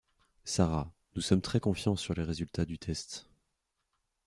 Sara, nous sommes très confiants sur les résultats du test.